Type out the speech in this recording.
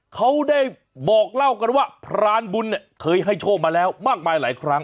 เขาได้บอกเล่ากันว่าพรานบุญเนี่ยเคยให้โชคมาแล้วมากมายหลายครั้ง